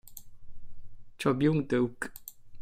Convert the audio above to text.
Cho Byung-deuk